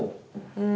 うん。